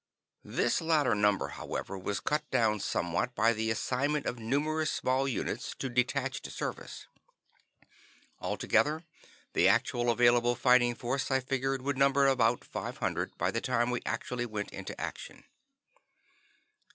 This latter number, however, was cut down somewhat by the assignment of numerous small units to detached service. Altogether, the actual available fighting force, I figured, would number about five hundred, by the time we actually went into action.